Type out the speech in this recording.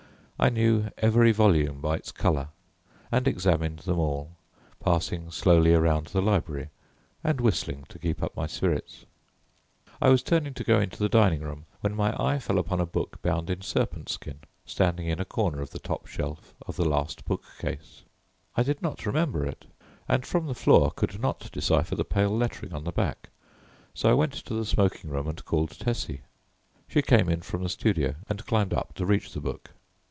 I knew every volume by its colour and examined them all, passing slowly around the library and whistling to keep up my spirits. I was turning to go into the dining room when my eye fell upon a book bound in serpent skin, standing in a corner of the top shelf of the last bookcase. I did not remember it, and from the floor could not decipher the pale lettering on the back, so I went to the smoking room and called Tessie. She came in from the studio and climbed up to reach the book.